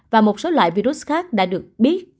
và một số loại virus khác đã được biết